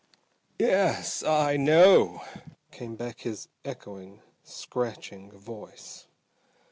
"Yes, I know!" came back his echoing, scratching voice.